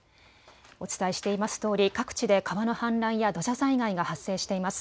お伝えしていますとおり各地で川の氾濫や土砂災害が発生しています。